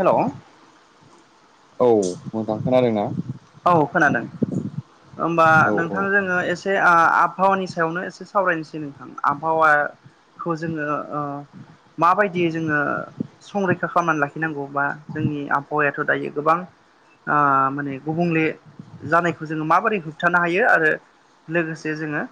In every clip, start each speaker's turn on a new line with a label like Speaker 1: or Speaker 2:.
Speaker 1: हेल'।
Speaker 2: औ मोजां खोनादों ना?
Speaker 1: औ खोनादों होमबा
Speaker 2: औ
Speaker 1: नोंथां जोंङो एसे आबहावानि सायावनो एसे सावरायनोसै नोंथां आबहावा खौ जोंङो माबायदि जोंङो संरैखा खालामनानै लाखिनांगौबा जोंनि आबहावायाथ' दायो गोबां ओ माने गुबुंले जानायखौ जोंङो माबोरै होबथानो हायो आरो लोगोसे जोंङो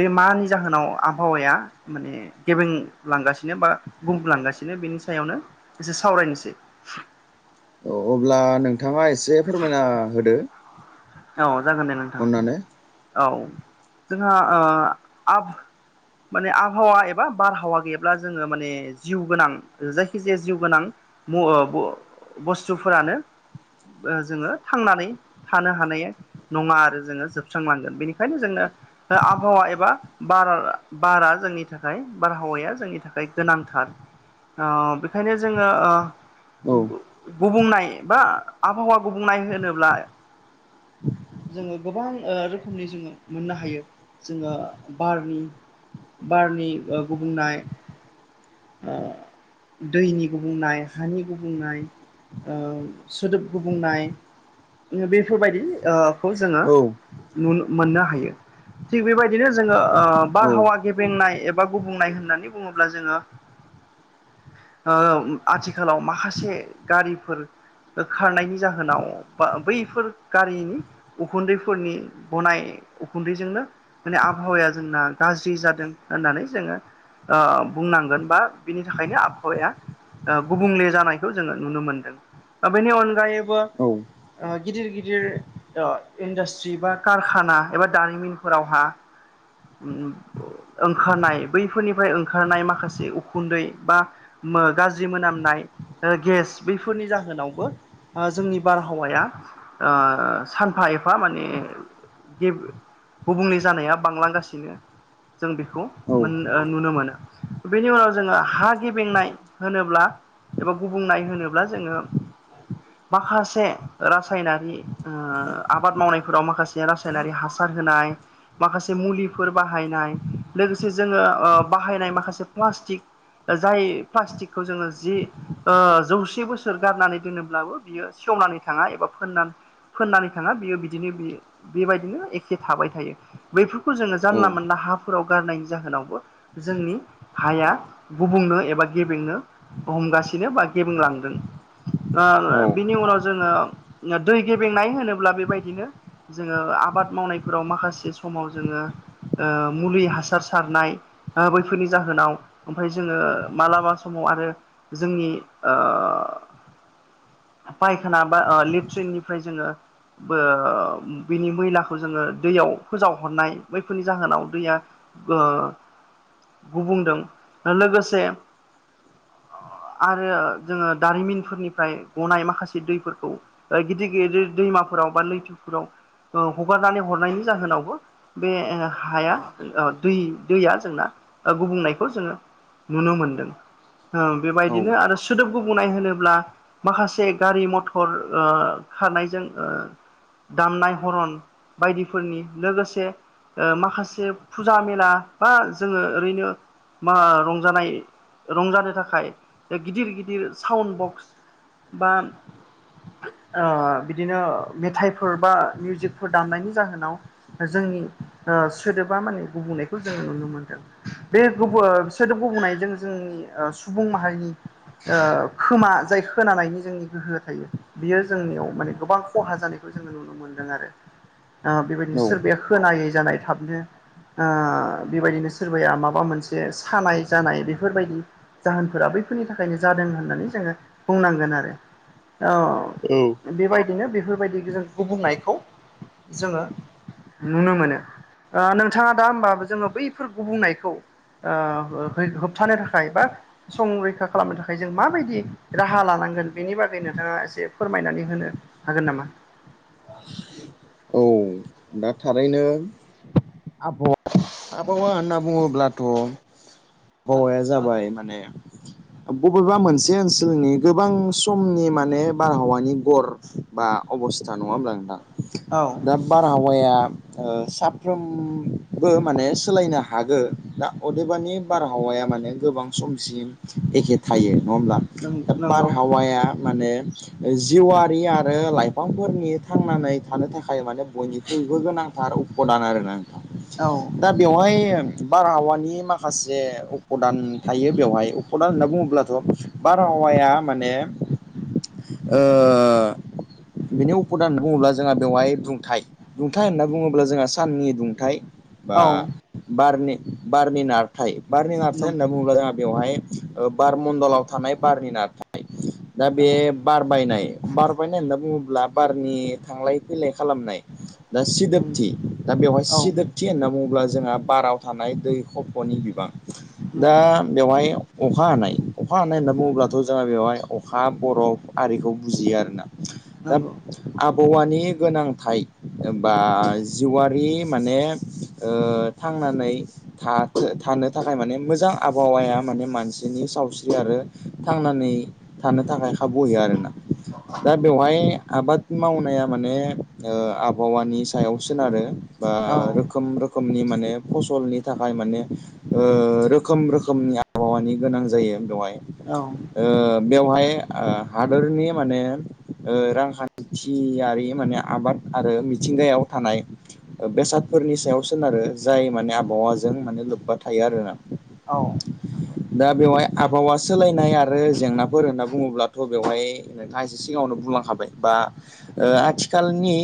Speaker 1: बे मानि जाहोनाव आबहावाया माने गेबेंलांगासिनो बा बुंफलांगासिनो बेनि सायावनो एसे सावरायनोसै।
Speaker 2: औ अब्ला नोंथांङा एसे फोरमायना होदो।
Speaker 1: औ जागोन दे नोंथां
Speaker 2: अननानै
Speaker 1: औ जोंहा ओ आब माने आबहावा एबा बारहावा गैयाब्ला जोंङो माने जिउ गोनां जायखिजाया जिउ गोनां बुस्थुफोरानो ओ जोंङो थांनानै थानो हानाया नंङा आरो जोंङो जोबस्रांलांगोन बेनिखायनो जोंनो आबहावा एबाट बार बारा जोंनि थाखाय बारहावाया जोंनि थाखाय गोनांथार। ओ बेखायनो जोंङो ओ
Speaker 2: औ
Speaker 1: बुंनाय बा आबहावा गुबुंनाय होनोब्ला जोंङो गोबां ओ रोखोमनि जोंङो मोननो हायो जोंङो बारनि बारनि ओ गुबुंनाय ओ दैनि गुबुंनाय हानि गुबुंनाय। ओ सोदोब गुबुंनाय बेफोरबायदि ओ खौ जोंङो
Speaker 2: औ
Speaker 1: नु मोननो हायो। थिग बेबायदिनो जोंङो ओ
Speaker 2: औ
Speaker 1: बारहावा गेबेंनाय एबा गुबुंनाय होननानै बुंङोब्ला जोंङो ओ आथिखालाव माखासे गारिफोर खारनायनि जाहोनाव बा बैफोर गारिनि उखुन्दैफोरनि बनाय उखुन्दैजोंनो माने आबहावाया जोंना गाज्रि जादों होननानै जोंङो ओ बुंनांगोन। बा बिनि थाखायनो आबहावाया ओ गुबुंले जानायखौ जोङो नुनो मोनदों दा बेनि अनगायैबो ओ गिदिर गिदिर ओ इन्डास्ट्रि बा कारखाना एबा दारिमिनफोरावहा उम ओंखारनाय बैफोरनिफ्राय ओंखारनाय माखासे उख खुन्दै बा मो गाज्रि मोनामनाय गेस बैफोरनि जाहोनावबो ओ जोंनि बारहावाया ओ सानफा एफा माने गेब गुबुंले जानाया बांलांगासिनो। जों बेखौ
Speaker 2: औ
Speaker 1: मोन ओ नुनो मोनो बेनि उनाव ज जोंङो हा गेबेंनाय होनोब्ला एबा गुबुंनाय होनोब्ला जोंङो माखासे रासायनारि ओ आबाद मावनायफोराव माखासे रासायनारि हासार होनाय। माखासे मुलिफोर बाहायनाय लोगोसे जोंङो ओ बाहायनाय माखासे प्लास्टिक जाय प्लास्टिकखौ जोंङो जि ओ जौसे बोसोर गारनानै दोनोब्लाबो बियो सेवनानै थांङा एबा फोननान फोननानै थांङा बियो बिदिनो बि बेबायदिनो एखे थाबाय थायो बैफोरखौ जोंङो
Speaker 2: औ
Speaker 1: जानला मोनानला हाफोराव गारनायनि जाहोनावबो जोंनि हाया गुबुंनो एबा गेबेंनो हमगासिनो बा गेबेंलांदों। ओ बिनि उनाव जोंङो दै गेबेंनाय होनोब्ला बेबायदिनो जोङो आबाद मावनायफोराव माखासे समाव जोङो ओ मुलि हासार सारनाय ओ बैफोरनि जाहोनाव ओमफाय जोङो मालाबा समाव आरो जोंनि ओ फायखाना बा ओ लेट्रिननिफ्राय जोङो बो बिनि मैलाखौ जोङो दैयाव फोजावहरनाय बैफोरनि जाहोनाव दैया बो ओ गुबदों लोगोसे आरो जोङो दारिमिनफोरनिफ्राय गनाय माखासे दैफोरखौ ओ गिदिर गिदिर दैमाफोराव बा लैथोफोराव ओ हगारनानै हरनायनि जाहोनावबो बे हाया ओ दै-दैया जोंना ओ गुबुंनायखौ जोङो नुनो मोनदों ओ बेबायदिनो आरो सोदोब गुबुंनाय होनोब्ला माखासे गारि मथर ओ खारनायजों ओ दामनाय हरन बायदिफोरनि लोगोसे ओ माखासे फुजा मेला बा जोङो ओरैनो मा रंजानाय रंजानो थाखाय ओ गिदिर गिदिर साउन बक्स बा ओ बिदिनो मेथाइफोर बा मिउजिकफोर दामनायनि जाहोनाव जोंनि ओ सोदोबा माने गुबुंनायखौ जोङो नुनो मोनदों। बे गु ङों सोदोब बुंनायजों ओ जोंनि सुबुं माहारिनि ओ खोमा जाय खोनानायनि जोंनि गोहो थायो। बियो जोंनियाव माने गोबां खहा जानायखौ जोङो नुनो मोनदों आरो ओ बेबायदिनो
Speaker 2: औ
Speaker 1: सोरबाया खोनायै जानाय थाबनो ओ बेबायदिनो सोरबाया माबा मोन से सानाय जानाय बेफोरबायदि जाहोनफोरा बैफोरनि थाखायनो जादों होननानै जोङो बुंनांगोन आरो। ओ
Speaker 2: औ।
Speaker 1: बेबायदिनो बेफोरबायदि जों गुबुंनायखौ जोङो नुनो मोनो। ओ नोंथाङा दा होमबा जोङो बैफोर गुबुंनायखौ ओ है-होबथानो थाखाय बा संरैखा खालामनो थाखाय जों माबायदि राहा लानांगोन बेनि बागै नोंथाङा एसे फोरमायनानै होनो हागोन नामा?
Speaker 2: औ दा थारैनो आबहावा-आबहावा होनना बुङोब्लाथ' हौवाया जाबाय माने बबेबा मोनसे ओनसोलनि गोबां समनि माने बारहावानि गर बा अबस्था नङा होमब्ला नोंथां
Speaker 1: औ
Speaker 2: दा बारहावाया ओ साफ्रोमबो माने सोलायनो हागो दा अदेबानि बारहावाया माने गोबां समसिम एखे थायो नवा होमब्ला दा
Speaker 1: नंगौ
Speaker 2: बारहावाया माने जिउआारि आरो लाइफांफोरनि थांनानै थानो थाखाय माने बयनिख्रुइबो गोनांथार उपदान आरोना। नोंथां
Speaker 1: औ।
Speaker 2: दा बेवहाय बारहावानि माखासे उपदान थायो बेवहाय उ पदा होनना बुङोब्लाथ' बारहावाया माने ओ बिनि उपदान बुङोब्ला जोंहा बेवहाय दुंथाय। दुंथाइ होनना बुङोब्ला जोंहा साननि दुंथाइ बा
Speaker 1: औ
Speaker 2: बारनि-बारनि नार थाय बारनि नारथाइ
Speaker 1: नं
Speaker 2: होनना जाहा बेवहाय ओ बार मणडलाव थानाय बारनि नारथाय दा
Speaker 1: औ
Speaker 2: बे बारबायनाय बारबायनाय होनना बुङोब्ला बारनि थांलाय फैलाय खालामनाय। दा
Speaker 1: नंगौ
Speaker 2: सिदोबथि दा बेवहाय
Speaker 1: औ
Speaker 2: सिदोब थि होनना बुङोब्ला जोंहा बाराव थानाय दै खफ'नि बिबां। दा
Speaker 1: नंगौ
Speaker 2: बेवहाय अखा हानाय अखा हानाय होनना बुङोब्लाथ' जोंहा बेवहाय अखा बरफ आरिखौ बुजियो आरो ना। दा
Speaker 1: नंगौ
Speaker 2: आबहावानि गोनांथाय ओ बा जिवारि माने ओ थांनानै थाथो थानो थाखाय माने मोजां आबहावाया माने मानसिनि सावस्रि आरो थांनानै थानो थाखाय खाबु होयो आरोना? दा बेवहाय आबाद मावनाया माने ओ आबहावानि सायाव सोनारो बा
Speaker 1: औ
Speaker 2: रोखोम रो खोमनि माने फसलनि थाखाय माने ओह रोखोम रोखोमनि आबहावानि गोनां जायो बेवहाय
Speaker 1: औ
Speaker 2: ओ बेवहाय ओ हादरनि माने ओ रांखान्थियारि माने आबाद आरो मिथिंगायाव थानाय। ओ बेसादफोरनि सायाव सोनारो जाय माने आबहावाजों माने लोब्बा थायो आरो ना।
Speaker 1: औ। नंगौ
Speaker 2: दा बेवहाय आबहावा सोलायनाय आरो जेंनाफोर होनना बुङोब्लाथ' बेवहाय थायसे सिगाङावनो बुंलांखाबाय बा आथिखालनि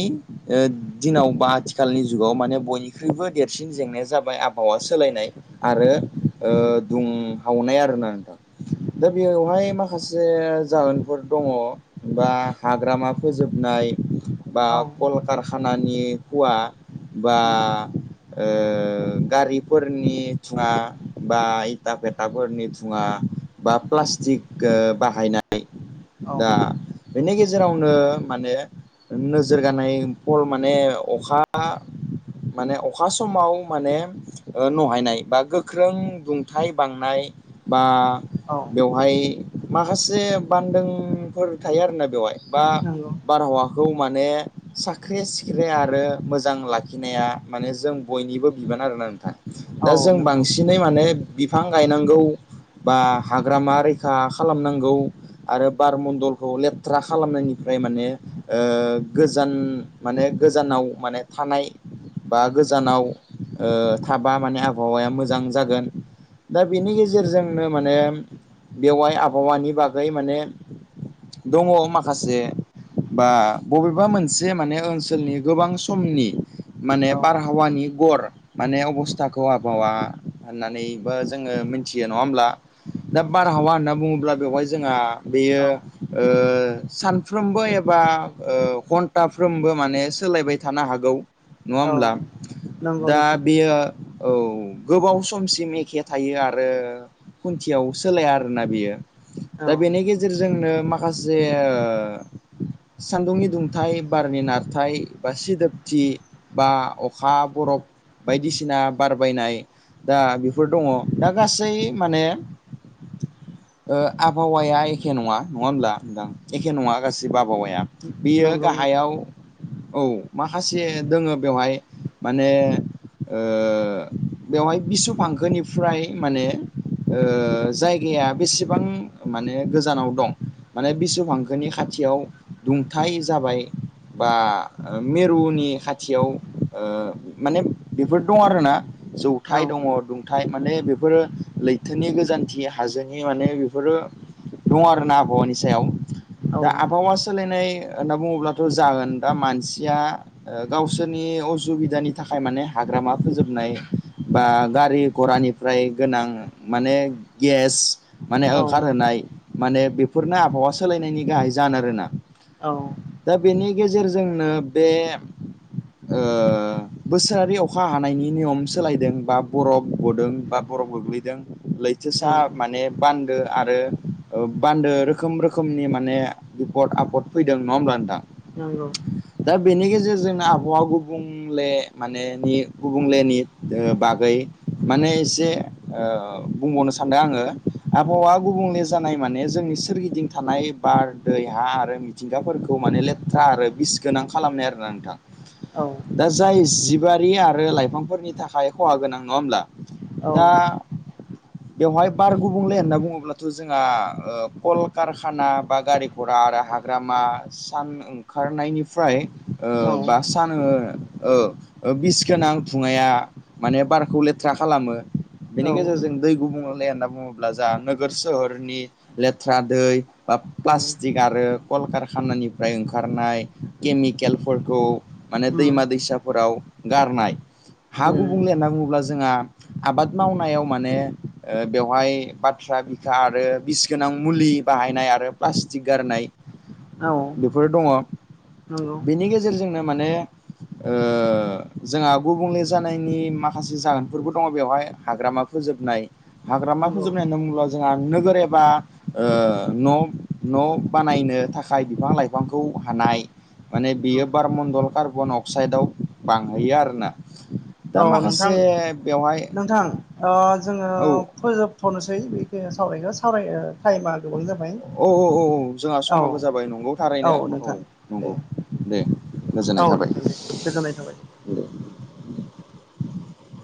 Speaker 2: ओह दिनाव बा आथिखालनि जुगाव माने बयनिख्रुइबो देरसिन जेंनाया जाबाय आबहावा सोलायनाय आरो ओह दुंहावनाय आरोना नोंथां? दा बेवहाय माखासे जाहोनफोर दङ। बा हाग्रामा फोजोबनाय बा
Speaker 1: औ
Speaker 2: कलकारखानानि हुवा बा
Speaker 1: उम
Speaker 2: ओ गारिफोरनि थुङा बा इथा पेथाफोरनि धुङा। बा प्लास्टिक बाहायनाय
Speaker 1: औ
Speaker 2: दा बेनि गेजेरावनो माने नोज रगानाय फल माने अखा माने अखा समाव माने नहायनाय बा गोख्रों दुंथाय बांनाय बा
Speaker 1: औ
Speaker 2: बेवहाय माखासे बान्दोंफोर थायो आरोना बेवहाय बा
Speaker 1: नंगौ
Speaker 2: बारहावा खौ माने साख्रि सिख्रि आरो मोजां लाखिनाया माने जों बयनिबो बिबान आरोना नोंथां? दा
Speaker 1: औ
Speaker 2: जों
Speaker 1: नंगौ
Speaker 2: बांसिनै माने बिफां गायनांगौ। बा हाग्रामा रैखा खालामनांगौ। आरो बार मण्डलखौ लेथ्रा खालामनायनिफ्राय माने ओ गोजान माने गोजानाव माने थानाय। बा गोजानाव ओ थाबा माने आबहावाया मोजां जागोन। दा बेनि गेजेरजोंनो माने बेवाय आबहावानि बागै माने दङ माखासे बा बबेबा मोनसे माने ओनसोलनि गोबां समनि माने
Speaker 1: औ
Speaker 2: बारहावानि गर माने अबस्थाखौ आबहावा होननानैबो जोङो मिथियो नङा होमब्ला? दा बारहावा होनना बुङोब्ला बेवहाय जोंहा बेयो
Speaker 1: औ
Speaker 2: ओह सानफ्रोमबो एबा ओह घन्टाफ्रोमबो माने सोलायबाय थानो हागौ। नङा
Speaker 1: औ
Speaker 2: होमब्ला
Speaker 1: नंगौ
Speaker 2: दा
Speaker 1: नोंथां
Speaker 2: बेयो औ गोबाव समसिम एखे थायो आरो खुन्थियाव सोलाया आरोना बियो
Speaker 1: औ
Speaker 2: दा बेनि गेजेरजोंनो माखासे ओ सान्दुंनि दुंथाय बारनि नारथाय बा सिदोबथि बा अखा बरफ बायदिसिना बारबायनाय दा बेफोर दङ दा गासै माने ओ आबहावाया एखे नङा नङा होमब्ला नोंथां एखे नङा गासिबो आबहावाया बियो
Speaker 1: नंगौ नंगौ
Speaker 2: गाहायाव औ माखासे दोङो बेवहाय माने ओह बेवहाय बिसु फांखोनिफ्राय माने ओ जायगाया बेसेबां माने गोजानाव दं। माने बिसुब हांखोनि खाथियाव दुंथाय जाबाय बा ओ मेरुनि खाथियाव ओ माने बेफोर दं आरोना जौथाय
Speaker 1: औ
Speaker 2: दङ दु थाय माने बेफोरो लैथोनि गोजानथि हाजोनि माने बेफोरो दं आरो ना आबहावानि सायाव
Speaker 1: औ
Speaker 2: दा आबहावा सोलायनाय ओनना बुङोब्लाथ' जाओन दा मानसिया ओ गावसोरनि असुबिदानि थाखाय माने हाग्रामा फोजोबनाय बा गारि घरानि प्राय गोनां माने गेस माने
Speaker 1: औ
Speaker 2: ओखारहोनाय माने बेफोरनो आबहावा सोलायनायनि गाहाय जान आरोना?
Speaker 1: औ
Speaker 2: दा बेनि गेजेरजोंनो बे ओ बोसोरारि अखा हानायनि नियम सोलायदों बा बरफ गदों बा बरफ गोग्लैदों
Speaker 1: औ
Speaker 2: लैथोसा माने बान्दो आरो ओ बान्दो रोखोम रोखोमनि माने बिपद आप पट फैदों नङा ओमब्ला नोंथां
Speaker 1: नोंगौ
Speaker 2: दा बेनि गेजेरजों आबहावा गुबुंले माने नि गुबुंलेनि बागै माने इसे ओ बुंबावनो सानदों आङो आबहावा गुबुंले जानाय माने जोंनि सोरगिदिं थानाय बार दै हा आरो मिथिंगाफोरखौ माने लेथ्रा आरो बिस गोनां खालामनाय आरोना नोंथां
Speaker 1: औ
Speaker 2: दा जाय जिबारि आरो लाइफांफोरनि थाखाय खहा गोनां नङा ओमब्ला दा बेवहाय बार गुबुंले होनना बुङोब्लाथ' जोंआ ओ कल कारखाना बा गारि घरा आरो हाग ग्रामा सान ओंखारनायनिफ्राय ओ बा सान ओ ओ ओ बिस गोनां धुङाया माने बारखौ लेथ्रा खालामो बेनि
Speaker 1: औ
Speaker 2: गेजेरजों दै गुबुंले होनना बुङोब्ला जा नोगोर सोहोरनि लेथ्रा दै बा
Speaker 1: उम
Speaker 2: प्लास्टिक आरो कल कारखानानिफ्राय ओंखारनाय केमिकेलफोरखौ माने दैमा दैसाफोराव गारनाय हा
Speaker 1: उम
Speaker 2: गुबुंले होनना बुङोब्ला जोंआ आबाद मावनायाव माने ओ बेवहाय बाथ्रा बिखा आरो बिस गोनां मुलि बाहायनाय आरो प्लास्टि गारनाय
Speaker 1: औ
Speaker 2: बेफोर दङ
Speaker 1: नंगौ
Speaker 2: बेनि गेजेरजोंनो माने ओ जोंआ गुबुंले जानायनि माखासे जाहोनफोरबो दङ बेवहाय हाग्रामा फोजोबनाय हाग्रामा
Speaker 1: नंगौ
Speaker 2: फोजोबनाय होनना बुङोब्ला जोंआ नोगोर एबा ओ न' न' बानायनो थाखाय बिफां लाइफांखौ हानाय माने
Speaker 1: औ
Speaker 2: बियो बारमणडल कार्बन अक्साइदआव बांहैयो आरोना दा
Speaker 1: औ नोंथां
Speaker 2: माखासे बेवहाय
Speaker 1: नोंथां ओ जोङो
Speaker 2: औ
Speaker 1: फोजोबथ'नोसै बिखो सावरायखो सावराय टाइमा गोबां जाबाय
Speaker 2: औ औ औ औ जोंआ
Speaker 1: औ
Speaker 2: समाबो जाबाय नंगौ थारैनो औ
Speaker 1: नोंथां
Speaker 2: नंगौ
Speaker 1: दे
Speaker 2: दे गोजोननाय
Speaker 1: औ
Speaker 2: थाबाय
Speaker 1: नोंथां दे गोजोननाय थाबाय दे